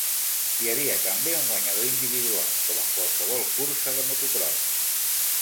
Hi havia també un guanyador individual, com en qualsevol cursa de motocròs.